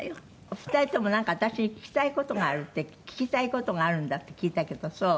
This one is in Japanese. お二人ともなんか私に聞きたい事があるって聞きたい事があるんだって聞いたけどそう？